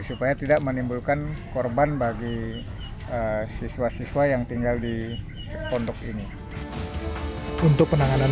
supaya tidak menimbulkan korban bagi siswa siswa yang tinggal di pondok ini untuk penanganan